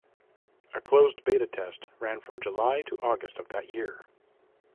A closed beta test ran from July to August of that year.